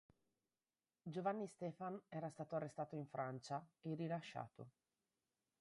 Giovanni Stefan era stato arrestato in Francia e rilasciato.